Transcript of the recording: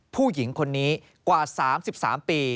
ผู้หญิงคนนี้กว่า๓๓ปี